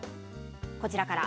こちらから。